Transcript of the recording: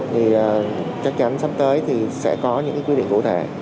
thì chắc chắn sắp tới thì sẽ có những quy định cụ thể